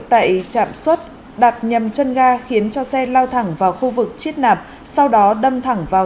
tại trạm xuất đạp nhầm chân ga khiến cho xe lao thẳng vào khu vực chiết nạp sau đó đâm thẳng vào